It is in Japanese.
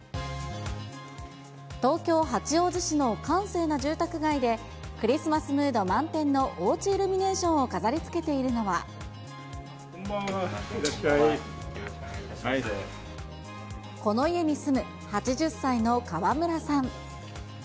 東京・八王子市の閑静な住宅街で、クリスマスムード満点のおうちイルミネーションを飾りつけているこんばんは。